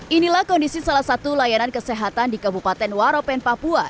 inilah kondisi salah satu layanan kesehatan di kabupaten waropen papua